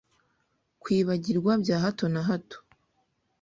Kwibagirwa bya hato na hato